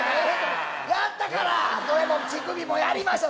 やったからそれも乳首もやりました